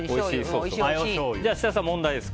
設楽さん、問題です。